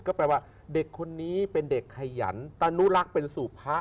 ก็แปลว่าเด็กคนนี้เป็นเด็กขยันตนุรักษ์เป็นสู่พระ